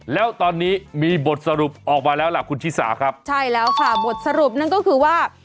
แล้วตอนนี้มีบทสรุปออกมาแล้วล่ะคุณชิสาครับใช่แล้วค่ะบทสรุปนั่นก็คือว่า